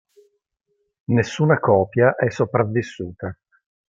Nessuna copia è sopravvissuta.